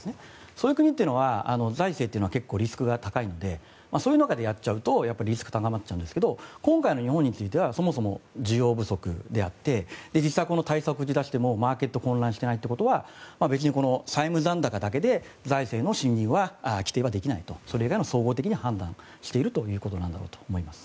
そういう国は財政はリスクが高いのでそういう中でやっちゃうとリスクが高まっちゃうんですが今回の日本についてはそもそも需要不足であって実際この対策を打ち出してもマーケットが混乱していないということは、債務残高だけで財政の信認は規定できないとそれ以外の総合的に判断しているということなんだと思います。